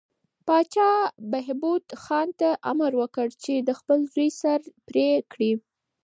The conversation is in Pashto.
پاچا بهبود خان ته امر وکړ چې د خپل زوی سر پرې کړي.